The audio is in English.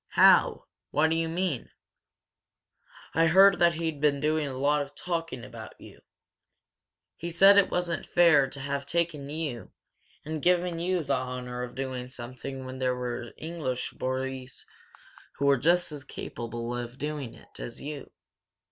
"How? What do you mean?" "I heard that he'd been doing a lot of talking about you. He said it wasn't fair to have taken you and given you the honor of doing something when there were English boys who were just as capable of doing it as you."